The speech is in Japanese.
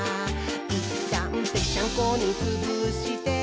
「いったんぺっちゃんこにつぶして」